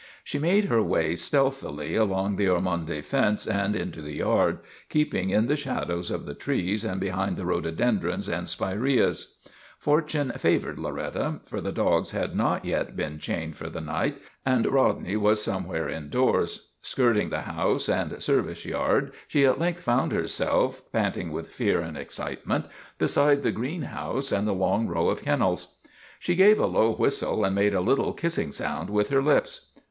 She made her way stealthily along the Ormonde fence and into the yard, keeping in the shadows of the trees and behind the rhododendrons and spireas. Fortune favored Loretta, for the dogs had not yet 86 MADNESS OF ANTONY SPATOLA been chained for the night and Bodley was some where indoors. Skirting the house and service yard she at length found herself, panting with fear and excitement, beside the greenhouse and the long row of kennels. She gave a low whistle and made a little kissing sound with her lips.